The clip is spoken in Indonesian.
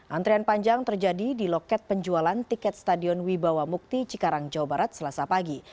antrian panjang terjadi di loket penjualan tiket stadion wibawa mukti cikarang jawa barat selasa pagi